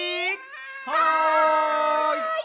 はい！